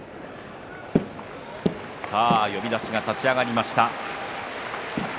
さあ呼出しが立ち上がりました。